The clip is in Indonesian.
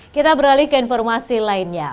kita beralih ke informasi lainnya